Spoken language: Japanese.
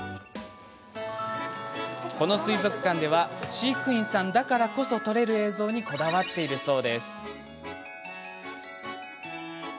この水族館では飼育員さんだからこそ撮れる映像にこだわっているそうです。